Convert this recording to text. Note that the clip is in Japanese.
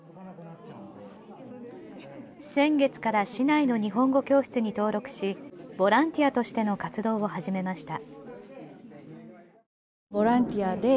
先月から市内の日本語教室に登録しボランティアとしての活動を始めました。